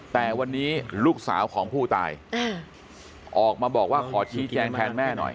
แต่วันนี้ลูกสาวของผู้ตายออกมาบอกว่าขอชี้แจงแทนแม่หน่อย